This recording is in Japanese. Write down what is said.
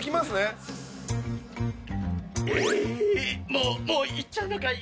もう行っちゃうのかい？